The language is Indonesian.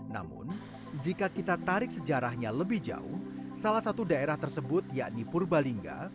namun jika kita tarik sejarahnya lebih jauh salah satu daerah tersebut yakni purbalingga